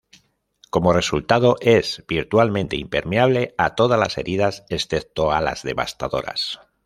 Como resultado, es virtualmente impermeable a todas las heridas excepto a las devastadoras.